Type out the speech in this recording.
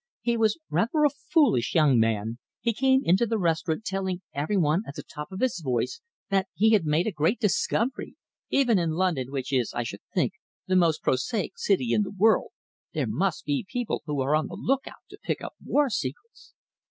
"He was rather a foolish young man. He came into the restaurant telling every one at the top of his voice that he had made a great discovery! Even in London, which is, I should think, the most prosaic city in the world, there must be people who are on the lookout to pick up war secrets."